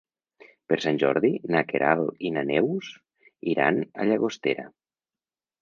Per Sant Jordi na Queralt i na Neus iran a Llagostera.